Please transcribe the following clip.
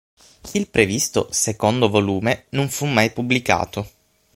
Il previsto "Secondo volume" non fu mai pubblicato.